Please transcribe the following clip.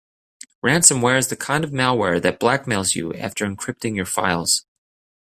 Ransomware is the kind of malware that blackmails you after encrypting your files.